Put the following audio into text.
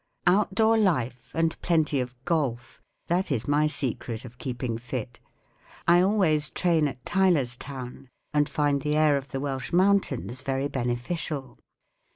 Outdoor life and plenty of golf. That is my secret of keep¬ ing fit* I always train at Tylorstown, and find the air of the Welsh mountai m very beneficial.